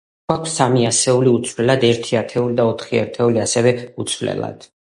გვაქვს სამი ასეული უცვლელად, ერთი ათეული და ოთხი ერთეული ასევე უცვლელად.